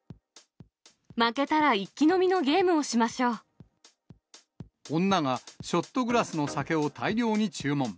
負けたら一気飲みのゲームを女がショットグラスの酒を大量に注文。